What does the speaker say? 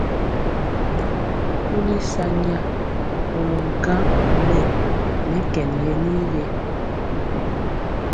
Kuli sa nya kolɔ gaŋ mɛ nɛ kɛn yɛ nii ge?